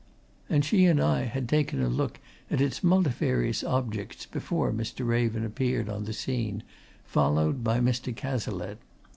And she and I had taken a look at its multifarious objects before Mr. Raven appeared on the scene, followed by Mr. Cazalette.